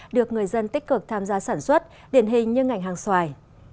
được người dân tích cực tham gia sản xuất điển hình như ngành hàng xoài